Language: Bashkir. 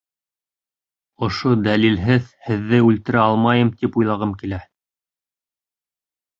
Ошо дәлилһеҙ һеҙҙе үлтерә алмайым, тип уйлағым килә.